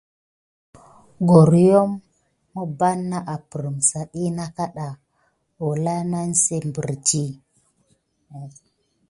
Goryom miɓanà aprisa ɗi nà na kaɗa kulin nà kinsé berinie.